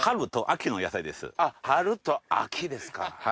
あっ春と秋ですか。